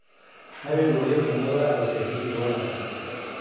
نوې ډوډۍ خوندوره او صحي دواړه ده.